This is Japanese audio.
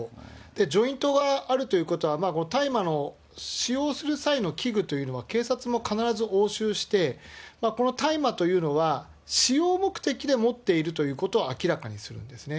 ジョイントがあるということは、大麻の使用する際の器具というのは、警察も必ず押収して、この大麻というのは、使用目的で持っているということを明らかにするんですね。